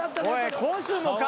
今週も顔？